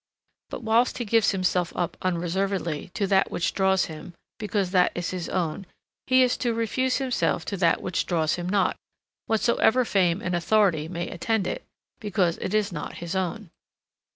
But whilst he gives himself up unreservedly to that which draws him, because that is his own, he is to refuse himself to that which draws him not, whatsoever fame and authority may attend it, because it is not his own.